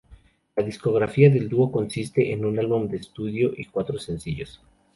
La discografía del dúo consiste en un álbum de estudio y cuatro sencillos.